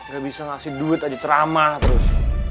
gak bisa ngasih duit aja ceramah terus